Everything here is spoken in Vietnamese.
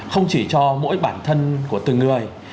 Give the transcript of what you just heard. không chỉ cho mỗi bản thân của từng người